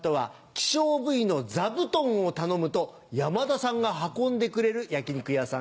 希少部位のザブトンを頼むと山田さんが運んでくれる焼き肉屋さん。